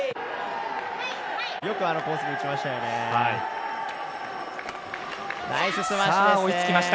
よくあのコースに打ちました。